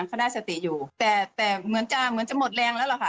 เขาได้สติอยู่แต่เหมือนจะหมดแรงแล้วหรอกค่ะ